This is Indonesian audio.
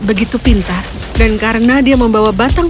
begitu pintar dan karena dia membawa batang